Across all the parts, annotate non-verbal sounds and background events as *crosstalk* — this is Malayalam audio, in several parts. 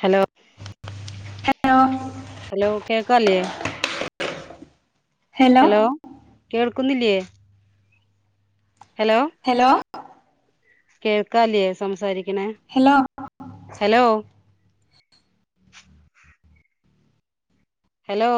ഹലോ ഹലോ ഹലോ കേക്കാല്ലേ ഹലോ കേൾ ക്കുന്നില്ലേ? ഹലോ കേൾക്കാല്ലേ സംസാരിക്കണേ hello hello hello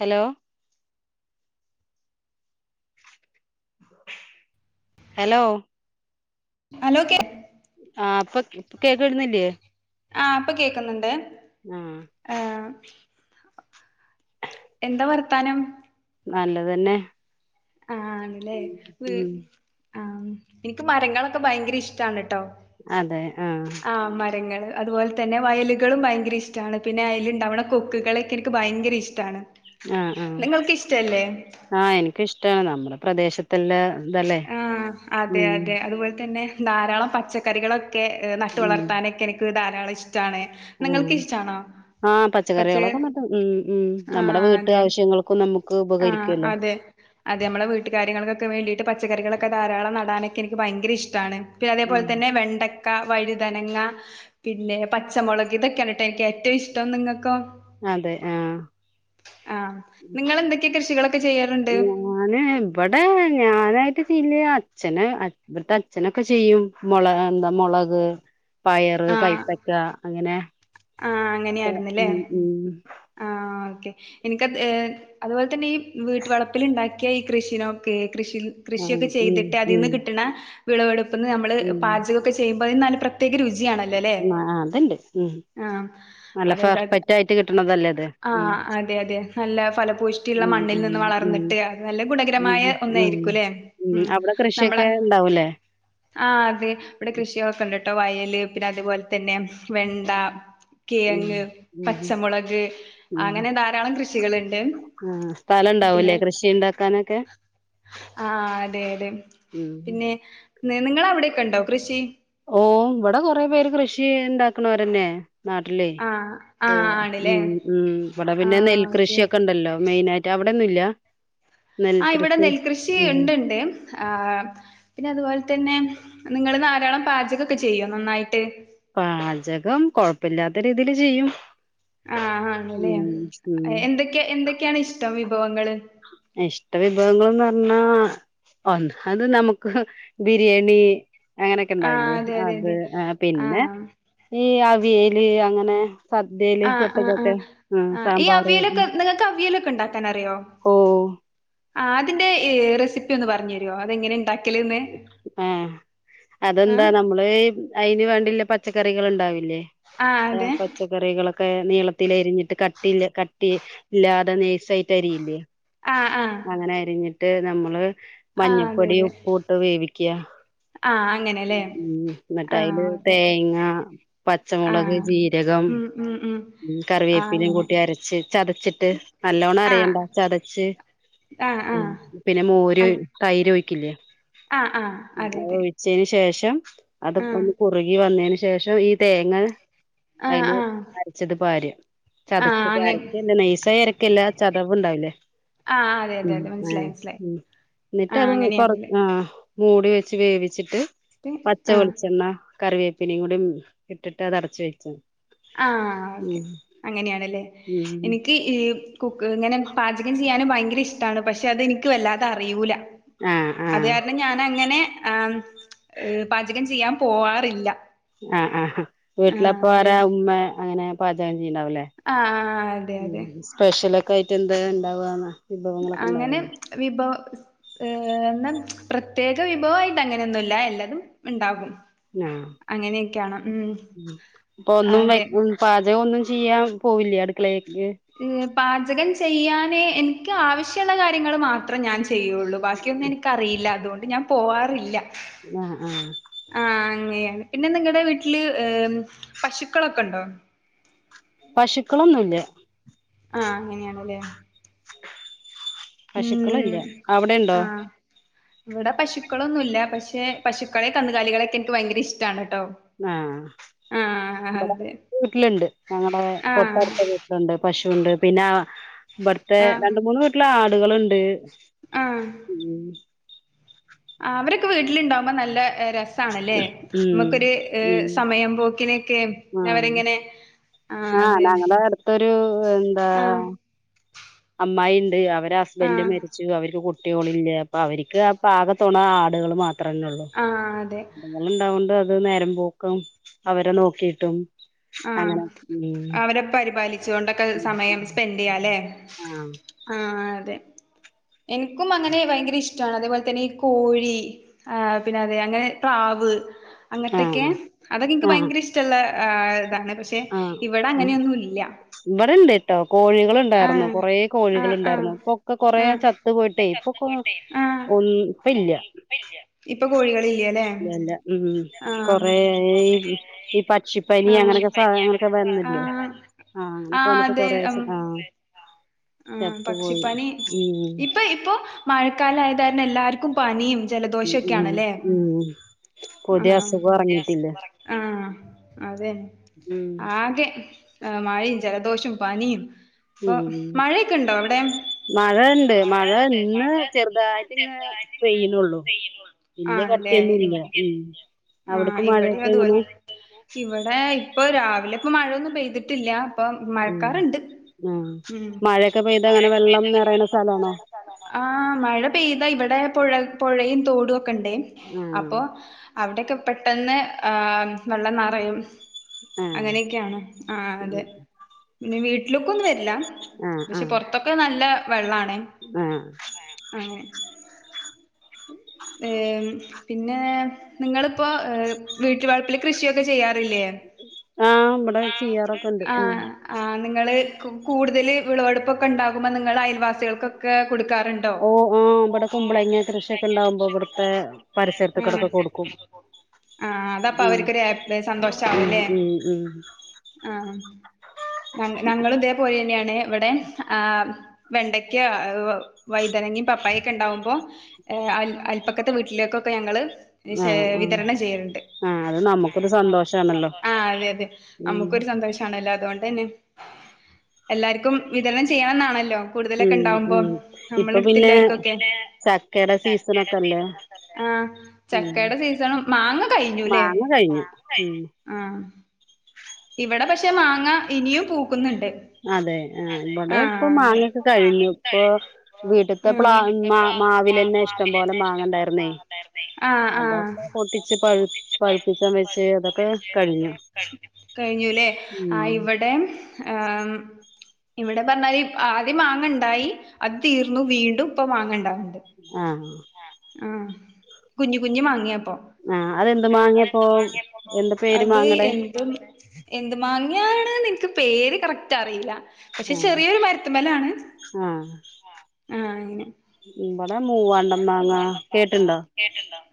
hello hello hello കേക്ക് ആഹ് ഇപ്പൊ ക് കേക്കുന്നില്ലേ? ആഹ് ഇപ്പൊ കേക്കുന്നുണ്ട് ആഹ് എന്താ വർത്താനം? നല്ലത് തന്നെ ആഹ് ആണ് ല്ലേ വ് ആഹ് എനിക്ക് മരങ്ങളൊക്കെ ഭയങ്കര ഇഷ്ട്ടാണ് അതെ ആഹ ങ്ങൾ അതുപോലെ തന്നെ വയലുകളും ഭയങ്കര ഇഷ്ടാണ് പിന്നെ അയലുണ്ടാവണ കൊക്കുകളൊക്കെ എനിക്ക് ഭയങ്കര ഇഷ്ടാണ്. ആഹ നിങ്ങൾക്ക് ഇഷ്ടല്ലേ ആഹ ആഹ എനക്കിഷ്ടാണ് നമ്മുടെ പ്രദേശത്തിലെ. ആഹ അതെ അതെ അതുപോലെ തന്നെ ധാരാളം പച്ചക്കറികളൊെ. ക്കെ നട്ട ഉം വളർത്താനൊക്കെ എനിക്ക് ധാരാളം ഇഷ്ടാണ് നിങ്ങൾക്ക് ഇഷ്ടാണോ. ആഹ് പച്ചക്കറികളൊക്കെ പച്ച നട്ട് ഉം ഉം നമ്മുടെ ആഹ് വീട്ട അതെ ആവശ്യങ്ങൾക്കും നമുക്ക് ആഹ് ഉപകരിക്കല്ലോ. അതെ അതെ നമ്മെ വീട്ടുകാര്യങ്ങൾക്കൊക്കെ വേണ്ടിട്ട്. പച്ചക്കറികളൊക്കെ ധാരാളം നടാനൊക്കെ എനിക്ക് ഭയങ്കര ഇഷ്ടാണ് പിന്നെ അതേപലെ ഉം തന്നെ വെണ്ട. ക്ക വഴുതനങ്ങ പിന്നെ പച്ചമുളക് ഇതൊക്കെയാണ് ട്ടോ എനിക്ക് ഏറ്റും ഇഷ്ടം നിങ്ങൾക്കോ. അതെ ആ ആ നിങ്ങൾ എന്തൊക്കെയ കൃഷികള. ഞാന് ഇവിടെ ഞാൻ. നായിട്ട് ചെയ്ല്ലേ അച്ഛന് ഇവിടത്തെ അച്ഛനൊക്കെ ചെയ്യും മൊളഎന്താ മൊളക്. പയറ് കൈപ്പക്ക അങ്ങനെ. ആഹ ഒക്കെ. അങ്ങനെയായിരുന്നില്ലേ ഉം ആഹ. ഉം ആ ഓക്കെ എനിക്കത് അതുപോലെ തന്നെ ഈ വീട്ടുവളപ്പിൽ ഇണ്ടാക്കിയ ഈ കൃഷിനൊഒക്കെ. കൃഷി ആ കൃഷിയൊക്കെ ഉം ചെയ്തിട്ട് ഉം അതിന്ന് കിട്ടണ വിളവെടുപ്പന്ന് നമ്മള് ഉം പാചകൊക്കെ ചെയ. മ്പോ അതിന് നല്ല പ്രത്യേക രുചിയാണല്ലോ അല്ലേ. ആ അതുണ്ട് ഉം ആ നല്ല അതായത് പെർഫെക്റ്റ് ആയിട്ട് കിട്ടണതല്ലേ അത് ആ ഉം അതെ അതെ നല്ല ഫലപൂഷ്ടിള്ള. ഉം മണ്ണിൽ ഉം നിന്ന് ഉം വളർന്നിട്ട് അത് നല്ല ഗുണകരമായ ഉം ഉം ഒന്നായിരിക്കുംല്ലേ ഉ ഉം അവിടെ നമ്മള. കൃഷിയൊക്കെ ഉണ്ടാവൂലേ ആഹ അത ഇവിടെ കൃഷികൊക്കെണ്ട് ട്ടോ വയല് പിന്നെ അതുപോലെ തന്നെ വെണ്ട. ഉം കിഴങ്ങ് ഉം പച്ചമുളക് ഉം അങ്ങനെ ധാരാളം കൃഷികളുണ്ട്. ആ സ്ഥലം പിന്നെ ഉണ്ടാവൂലേ കൃഷി ഉണ്ടാക്കാനൊക്കെ ആ അതെ. അതെ ഉം പിന്നെ നിങ്ങളെ അവിടെയൊക്കെ ഉണ്ടോ കൃഷി. ഓ ഇവിടെ കൊറെേ പേര് കൃഷി ഉണ്ടാക്കണോരനെ. നാട്ടിലേ ആഹ് പോ ആഹ് ആണ്ല്ലേ ഉം ഉം ഇവിടെ പിന്നെ ആഹ് ഓക്കെ നെൽകൃഷിയൊക്കെ ഉണ്ടല്ലോ മെയിനയിട്ട് അവിടെ. ന്നെന്നില. ആഹ ഇവിടെ നെൽകൃഷി ഉണ്ട്ണ്ട് ആ് പിന്നെ അതുപോലെ. തന്നെ നിങ്ങൾ ധാരാളം പാചകൊക്കെ ചെയോ നന്നായിട്ട്. പാചകം കൊഴപ്പല്യാത്ത രീതിൽ ചെയ്യും. ആഹ ആണല്ലേ ഉം ഉം എന്തൊക്കെ എന്തൊക്കെയാണ് ഇഷ്ടം വിഭവങ്ങള്. ഇഷ്ട വിഭവങ്ങളും. ന്ന് പറഞ്ഞ ഒന്നാമത് നമുക്ക് ബിരിയാണി. അങ്ങനെയൊക്കെ ആഹ് ഉണ്ടാവില്ലേ അതെ അതെ അത് അതെ ആ പിന്നെ ആഹ് ഈ അവിയല് അങ്ങനെ. സദ്യയില് ആഹ് ആഹ് പെട്ടതൊക്കെ ആഹ് ആ ആഹ് ഈ സാമ്പാർ. അവിയലൊക്കെ നിങ്ങൾക്ക് അവിയലൊക്കെ ഓ. ആ അതിന്റെ റെസിപ്പി ഒന്ന് പരഞ്ഞേര്ഒ അതെങ്ങനെണ്ടാ. ആഹ അതെന്താ ആഹ് നമ്മള്. അതിന് വേണ്ടില്ല പച്ചക്കറികൾ ഉണ്ടാവില്ലേ ആഹ് അതെ പച്ചക്കറികളൊക്കെ. ക്കെ നീളത്തിലൽ അരിഞ്ഞിട്ട് ക. കട്ടി കട്ടില്ലാതെ നെയസായിട്ട് അരിയില്ലേ ആഹ് ആഹ് അങ്ങനെ അരിഞ്ഞിട്ട്. ട്ട് നമ്മള് ആഹ് അതെ മഞ്ഞപ്പൊടി ഉപൂട്ട് വേവിക്ക. ആ അങ്ങനെയല്ല. ഉ എന്നിട്ടായില് തേങ്ങ പച്ചമുളക് ആഹ് ജീരകം. ഉം ഉം ഉം ഉ ആഹ് കറിവേപ്പിനും അങ്ങനെ കൂട്ടി അരച്ച് ചതച്ചിട്ട് നല്ലോണം ആഹ് അരയണ്ട ചതച്ച്. ആഹ് ഉ ആഹ് പിന്നെ മോര് അങ് തൈര് ഒഴിക്കില്ലേ. ആഹ് ആഹ് അതെ അതെ ഓയ്ചേൻ ശേഷ. അത് ആഹ് ഒന്ന് കുറുകിവന്നെന് ശേഷം ഈ തേങ്ങ ആഹ് അയിൽ. ആഹ് ച്ചത് പാര ആഹ് ചതച്ചത് അങ്ങനെ അരക്കല്ല നെയ്സരയ്ക്കല്ല ചതവ് ഉണ്ടാവൂലേ. ആഹ് അതെ ഉ അതെ അതെ ആ മനസ്സിലായി മനസ്സിലായി ഉ എന്നിട്ട് ആഹ് അത് കൊറച്ച് അങ്ങനെയാണല്ലേ ആ. മൂടി വെച്ച് വേവിച്ചിട്ട് ആഹ് പച്ചവെളിച്ചെണ്ണ കറിവേപ്പി. പിന്നെയും കൂടി ഇട്ടിട്ട് അത് അട്ച്ച് വെച്ച. ആഹ് ഓക്കെ അങ്ങനെയാണ്ല്ലേ ഉം എനിക്ക് ഈ കുക്ക് ഇങ്ങനെ പാചകം ചെയ്യാനും ഭയങ്കര ഇഷ്ടാണ്. പശേ അതെനിക്ക് വല്ലാതെ അറിയൂല. ആഹ് അത് ആഹ് കാര്ണം ഞാൻ അങ്ങനെ ആ പാചകം ചെയ്യാം പോവാറില്ല. ആഹ് ആഹ് വീട്ടിലപ്പ ആഹ് അതെ ആരാ ഉമ്മേ അങ്ങനെ പാചക യ്യ്ണ്ടാവ്ല്ലേ. ആഹ് അതെ ഉം അതെ സ്പെഷ്യലൊക്കെ ആയിട്ട് എന്താ ഇണ്ടാവാന്ന വിഭവങ്ങളൊക്കെ അങ്ങനെ ഇണ്ടാവൂലേ വിഭവ ഏഹ് എന്ന പ്രത്യേക വിഭവായിട്ട് അങ്ങനൊന്നുല്ല എല്ലാതും ഇണ്ടാകും. ആഹ് അങ്ങനെയൊക്കെയാണ് ഉം പ്പൊ ഒന്നും വെ അതെ പാചകം ഒന്നും ചെയ്യാം പോവില്ലേ അട്ക്ക്ളേ ഏഹ് പാചകം ചെയ്യാന് എനിക്ക് ആവശ്യള്ള കാര്യങ്ങൾ മാത്രം ഞാൻ ചെ യ്യുള്ളൂ ബാക്കിയൊന്നും എനിക്കറിയില്ല അതുകൊണ്ട് ഞാൻ പോവാറില്ല. ആഹ് ആഹ്. ആഹ് അങ്ങനെയാണ് പിന്നെ നിങ്ങളടെ വീട്ടില് ഏഹ് പശുക്കളൊക്കെണ്ടോ? പശുക്കളൊന്നുംല്ല. ആഹ് അങ്ങനെയാണല്ലേ? പശുക്കളില്ല ഉം അവിടെ ഉണ്ടോ? ആഹ് ഇവിടെ പശുക്കളൊന്നും ഇല്ല പക്ഷെ പശുക്കളെ കന്നുകാലികളെയൊക്കെ എനിക്ക് ഭയങ്കര ഇഷ്ടാണ്. ട്ടോ ആഹ്. ആഹ് ഇവടെ അതെ അടുത്ത വീട്ടിലുണ്ട് ഞങ്ങടെ ആഹ് തൊട്ടടുത്ത വീട്ടിലുണ്ട് പശു ണ്ട് പിന്നാ ഇവിടുത്തെ ആഹ് രണ്ട് മൂന്ന് വീട്ടില് ആടുകളുണ്ട്. ആഹ്. ഉം ആഹ് അവരൊക്കെ വീട്ടിലിണ്ടാവുമ്പോ നല്ല ര സാണല്ലേ ഉം നമുക്കൊരു ഉം സമയം പോക്കിനെക്കെ ആഹ് അവരെങ്ങനെ ആഹ് ഞങ്ങടെ അടുത്തൊരു എന്താ ആഹ് അമ്മായി ഇണ്ട് അവര് ഹസ്ബൻഡ് ആഹ് മരിച്ചു അവർക്ക് കു ട്ട്യോളില്ല അപ്പവര്ക്ക് അപ്പ ആകെത്തുണ ആടുകള് മാ ത്രല്ലേ ള്ളൂ ആഹ് അതെ അതുങ്ങളുണ്ടാവോണ്ട് അത് നേരം പോക്കും അവരെ നോക്കീട്ടും ആഹ് അവരെ പരിപാലി ച്ചോണ്ടൊക്കെ സമയം സ്പെൻഡ് ചെയ്യാല്ലേ ആഹ് ആഹ് അതെ. എനിക്കും അങ്ങനെ ഭയങ്കര ഇഷ്ടാണ് അതേപോലെ തന്നെ ഈ കോഴി ആ പിന്നെ അതെ അങ്ങനെ പ്രാവ് അങ്ങനത്തൊക്കെ ആഹ് അതൊക്കെ എനിക്ക് ആഹ് ഭയങ്കര ഇഷ്‌ടമുള്ള ഏഹ് ഇതാണ് പക്ഷെ ആഹ് ഇവിടെ ഉം അങ്ങനെയൊന്നും ഇല്ല. ഇവിടെണ്ട് കേട്ടോ കോഴികളുണ്ടായിരുന്നു ആഹ് കൊറേ കോഴികൾ ആഹ് ഉണ്ടായിരുന്നു ഇപ്പൊക്കെ കൊറേ ചത്ത് പോയിട്ടേ ഇപ്പൊ ചത്തു പോയിട്ടേ ആഹ് *inaudible* ഇപ്പൊ കോഴികളി ഇല്ല ഇല്ല ഉം കൊറെ ആയി ഈ പക്ഷിപ്പനി ആഹ് അങ്ങനെക്കെ സാധനങ്ങളൊക്കെ വെന്ന് ഇല്ലെ ആഹ് ആഹ് അങ്ങനെയൊക്കെ വന്ന്ട്ട് അതെ കൊറെഷെ ഉം ആഹ് ആഹ് ചത്തുപോയി പക്ഷിപ്പനി ഉം ഇപ്പ ഇപ്പൊ മഴക്കാലം ആയെത് കാരണം എല്ലാർക്കും പനിയും ജെലദോഷം ഒക്കെ ഉം ആണ് ലെ? ഉം പുതിയ ആഹ് അസുഖം എറങ്ങിട്ടില്ല *inaudible* ആഹ് അതെന്നെ ഉം ആകെ ഏഹ് മഴിം ജെലദോഷം പനിം ഉം മഴയൊക്കെ ഇണ്ടോ അവ്ടെ? മഴ ഇണ്ട് മഴ ഇന്ന് ചെറ്തായിട്ട് ഇങ്ങനെ പെയ്യ്ണൊള്ളു വെല്ല്യ കട് *unintelligible* ആണല്ലേ യൊന്നും ഇല്ല ഉം അവ്ട്ക്ക് മഴയൊക്കെ എങ്ങനെ? ഇവെടെ ഇപ്പം രാവിലെ ഇപ്പോ മഴയൊന്നും പെയ്തിട്ട് ഇല്ല ഇപ്പം ഉം മഴക്കാറ് ഇണ്ട് ആഹ് ഉം മഴയൊക്കെ പെയ്ത അങ്ങനെ മഴയൊക്കെ വെള്ളം പെയ്താ ഇങ്ങനെ നിറയണ വെള്ളം സ്ഥലാണോ നെറയിണ സ്ഥലാണോ? ആഹ് മഴ പെയ്താ ഇവ വടെ പുഴ പൊഴയും തോടും ഒക്കെ ഇണ്ട് ആഹ് അപ്പോ അവിടെയൊക്കെ പെട്ടെന്ന് ആ വെള്ളനറയും ആഹ് അങ്ങനെയൊക്കെയാണ് ആ. അതെ പിന്നെ വീട്ടിലൊക്കോന്നും വരില്ല ആഹ് പക്ഷെ ആഹ് പോറത്തൊക്കെ നല്ല വെള്ളാണ് ആഹ് ആ ഏമ്മ്..... പിന്നെ നിങ്ങളിപ്പോ എഹ് വീട്ട് വളപ്പില് കൃഷിയൊക്കെ ചെയ്യാ ഇല്ലേ ആഹ് ഇവിടെ ചെയ്യാറൊക്കെ ഉണ്ട് മ്.... ആഹ് നിങ്ങള് കൂ കൂടുതൽ വിളവെടുപ്പൊക്കെ ണ്ടാകുമ്പോൾ നിങ്ങള് അയൽവാസികൾക്കൊക്കെ കൊടുക്കാറുണ്ടോ? ഓഉം ഇവിടെ കുമ്പളങ്ങ കൃഷിയൊക്കെ ഉണ്ടാവുമ്പോ ഇവിടുത്തെ പരിസരത്തോടക്കൊക്കെ കൊടുക്കും *unintelligible* ആഹ അതപ്പൊ അവർക്കൊരു ഹാപ്പി ഉം ഉം സന്തോഷാവൂലേ.... ഉം ഉം ആഹ്ഹ ഞങ്ങളും തേ പോലെ ന്ന്യാണ് വിടെ വെണ്ടയ്ക്ക വൈതനങ്ങും പപ്പായൊക്കെണ്ടാവുമ്പോൾ അൽപക്കത്തെ വീട്ടിലേക്കൊക്കെ ഞങ്ങള് ആഹ് *unintelligible* ആഹ് വിതരണം ചെയ്യറുണ്ട് ആഹ് അത് നമുക്കൊരു സന്തോഷാണല്ലോ *inaudible* ആ അതെ അതെ ഉം നമുക്കൊരു സന്തോഷാണല്ലോ അതുകൊണ്ട് തന്നെ എല്ലാർക്കും വിതരണം ചെയ്യണംന്നാണല്ലോ കൂടുതലൊക്കെ ഉം ഉണ്ടാവുമ്പോ ഉം നമ്മളെ ഇപ്പൊ പിന്നെ എടുത്തുള്ളോർക്കൊക്കെ *inaudible* ചക്കയുടെ സീസണൊക്കെ അല്ലേ ആ ഉം ചക്കയുടെ സീസൺ മാങ്ങ കഴിഞ്ഞുല്ലേ മാങ്ങ കഴിഞ്ഞു ഉം ആഹ.... *unintelligible* ഇവിടെ പക്ഷെ മാങ്ങ ഇനിയും പൂക്കുന്നു അതെ ആഹ് ഇവിടെ ഇപ്പൊ അതെ മാങ്ങൊക്കെ കഴിഞ്ഞു ഇപ്പൊ വീട്ടത്തെ പ്ല മാവൽന്നെ ഇഷ്ടം പോലെ വാങ്ങണ്ടായിർന്നേ ആഹ് ആഹ് അതൊക്കെ പൊട്ടിച്ചു പഴ് *unintelligible* അതൊക്കെ കഴിഞ്ഞു കഴിഞ്ഞുല്ലേ... ആ... ഉം ഇവിടെ ആമ്മ്...... ഇവിടെ പറഞ്ഞാല് ആദ്യം മാങ്ങ ണ്ടായി അത് തീർന്നു വീണ്ടും പ്പൊ മാങ്ങണ്ടായി ആഹ..... ആഹ്... കുഞു കുഞ്ഞു മാങ്ങ്യ ആഹ് അതെന്ത് മാങ്ങേപ്പൊ എന്ത *inaudible* പേര് അത് മാങ്ങടെ എന്ത മാങ്ങാ *unintelligible* ഇൻക്ക് പേര് കറക്റ്റ് അറിയില്ല പക്ഷെ ആഹ് ചെറിയൊരു മരുത്തുമലാണ് ഇവിടെ മൂവാണ്ടൻ മാങ്ങ കേട്ടിണ്ടോ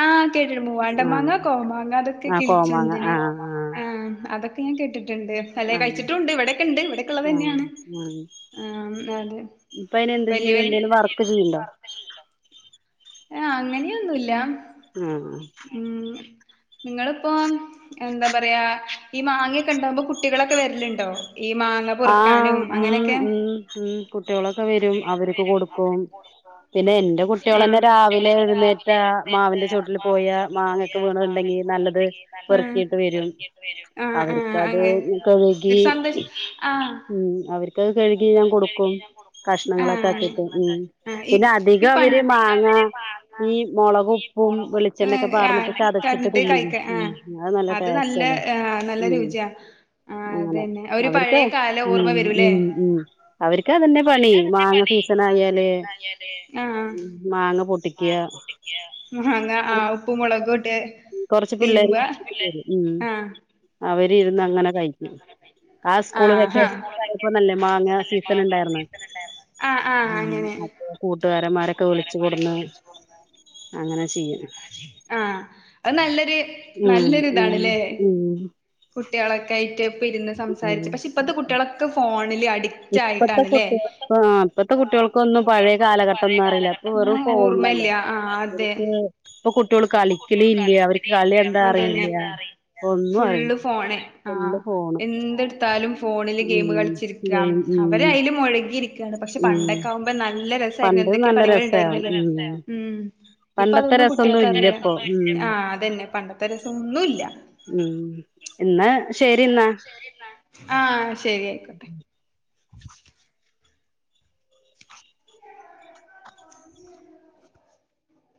ആഹ കേട്ടി മൂവാണ്ട മാങ്ങ കോമാങ്ങ അതൊക്കെ ആഹ് കോമാങ്ങ കിളിച്ചുണ്ടെന് ആഹ് ആഹ് ആ അതൊക്കെ ഞൻ കേട്ട് ണ്ട് അല്ല ആഹ് കഴിച്ചിട്ടുണ്ട് ഇവിടൊക്കെ ണ്ട് ആഹ് ഇവിടെക്കെഉള്ളതന്നെയാണ് ആഹ് ആ അത് ഇപ്പ അയിനെന്ത് വലിയ ചെയ്യ്ണ് വലി എന്തേലും *unintelligible* വർക്ക് ചെയ്യ്ണ്ടോ ആഹ അങ്ങനെയൊന്നുല്ല ആഹ്ഹ.... ഉം നിങ്ങളിപ്പോ എന്താ പറയാ ഈ മാങ്ങയൊക്കെ ഉണ്ടാവുമ്പോ കുട്ടികളൊക്കെ വര്ലുണ്ടോ? ആഹ്ഹ.... ഉമ്മ് മ്മ് മ്മ്.... കുട്ടികളൊക്കെ വരും അവർക്ക് കൊടുക്കും പിന്നെ എന്റെ കുട്ടികൾന്നെ രാവില *unintelligible* എഴുന്നേറ്റ മാവിന്റെ ചോട്ടിൽ പോയ മാങ്ങൊക്കെ വീണയ്ണ്ടെങ്കിൽ നല്ലത് പെറുക്കിയിട്ട് വരും അവർക്ക്ത് അത് അത് കഴുകി..... ഒരു സന്തോഷം ആഹ് ഉം അവർക്ക് കഴുകി ഞാൻ കൊടുക്കും കഷ്ണങ്ങളൊക്കെ ആക്കിട്ട് ഉമ്മ് പിന്നെ അ നിക ആക്കിട്ട് പക്ഷെ അവര് മാങ്ങ ഈ മുളക് ഉപ്പും വെളിച്ചെണ്ണോക്കെ ആ പാർന്നിട്ട് ചതച്ചിട്ട് തിന്നി ഉമ്മ്മ് അത് നല്ല ടേസ്റ്റ് ന *unintelligible* *inaudible* ഉംമ്മ്... ഉംമ്മ്.... ഉം അവർക്ക് അതന്നെ പണി മാങ്ങ സീസൺ ആയാല് ആ ഉമ്മ്... മാങ്ങ പൊട്ടിക്കുക *unintelligible* കൊറച്ച തിരുമ്പ പിള്ളേരും ആ *inaudible* അവര് ഇരുന്ന് അങ്ങനെ കഴിക്കും ആ സ്കൂള് വെക്കേഷൻക്കായിപ്പോന്നല്ലേ മാങ്ങ സീസൺ ഇണ്ടാർന്ന് ആ ആ മ്മ്.. അങ്ങനെ അപ്പൊ കൂട്ടുകാരന്മാരൊക്കെ വിളിച്ചു കൊടുന്ന് അങ്ങനെ ചെയ്യും ആ അത് നല്ലൊരു ഉം നല്ലൊരു ഉം ഇതാണ് ലെ ഉം കുട്ടികളൊക്കെ ആയിട്ട് പ്പം ഉം ഇരുന്ന്സംസാരിച് പക്ഷെ ഇപ്പത്തെ കുട്ടികളൊക്കെ ഫോണില് അഡിക്റ്റ് ഇപ്പത്തെ ആയിട്ടാണ് ലെ കുട്ടികൾ ആ ഇപ്പത്തെ ഇപ്പത്തെ കുട്ടികൾക്കൊന്നും പഴയ കുട്ടികൾക്കൊന്നും കാലഘട്ടം പഴയ ഒന്നും അറിയില്ല ഇപ്പൊ വെറും കാലഘട്ടത്തെ ഓർമ്മല്ല ഫോണിലല്ലേ ആ അതെ കുട്ടിയോള് കളിക്കിണില്ല അവര്ക്ക് കളി എന്താ അറിയില്ല ഒന്നും ഫുള്ള് അറിയില്ല ഫോണ് ആഹ ഫുള്ള് ഫോണ് എന്ത് ത്താലും ഫോണില് ഗെയിം ഉം കളിച്ചിരിക്കാ ഗെയിം അവരെ ഉം അയില് മുഴിങ്ങിരിക്ക പക്ഷെ ഉം പണ്ടൊക്കെ ആകുമ്പോ നല്ല രസായിരുന്നു പണ്ട് എന്തൊക്കെയാ നല്ല കളികൾ രസാവും ഉണ്ടായിരുന്നല്ലെ ഉം ഉം ഇപ്പൊ പണ്ടത്തെ അതൊന്നും രസൊന്നും കുട്ടികൾക്ക് ഇല്ല അറയില്ല ഇപ്പൊ ഉം ആഹ അതന്നെ പണ്ടത്തെ രസം ഒന്നുല്ല ഉം ഇന്നാ ശരി ന്നാ ആ ശരിയിക്കോട്ടെ